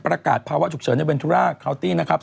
ประกาศภาวะฉุกเฉินในเวนทุราคาวตี้นะครับ